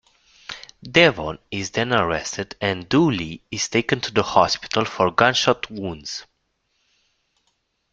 Devon is then arrested and Dooley is taken to the hospital for gunshot wounds.